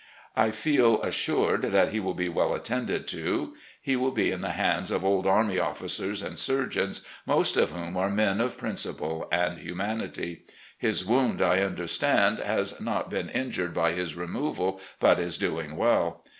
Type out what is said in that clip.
I feel assured that he will be well attended to. He will be in the hands of old army officers THE ARMY OF NORTHERN VIRGINIA loi and surgeons, most of whom are men of principle and humanity. His wound, I understand, has not been injured by his removal, but is doing well.